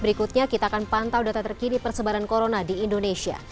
berikutnya kita akan pantau data terkini persebaran corona di indonesia